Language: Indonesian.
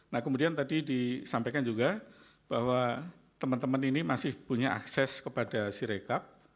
nah kemudian tadi disampaikan juga bahwa teman teman ini masih punya akses kepada si rekap